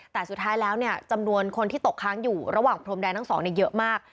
แต่สุดท้ายแล้วเนี่ยจำนวนคนที่ตกค้างอยู่ระหว่างพรมแดนทั้งสองเยอะมาก